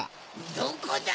どこだ？